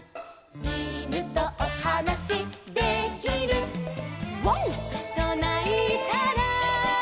「いぬとおはなしできる」「ワンとないたら」